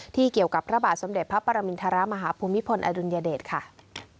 ที่เกี่ยวกับพระบาทสมเดตพระปรมิณฐรมหาภูมิภลอนุญเดชแฟนท์